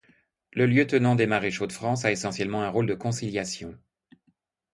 Le lieutenant des maréchaux de France a essentiellement un rôle de conciliation.